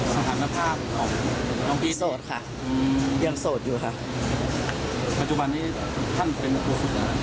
สถานภาพของน้องพี่โสดค่ะอืมยังโสดอยู่ค่ะปัจจุบันนี้ท่านเป็นครูฝึกแล้ว